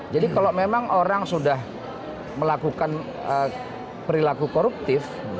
jadi kalau memang orang sudah melakukan perilaku koruptif